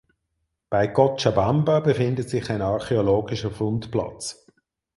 Bei Cochabamba befindet sich ein archäologischer Fundplatz.